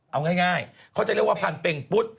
เอาง่ายเขาจะเรียกว่าพันเป็งปุ๊ด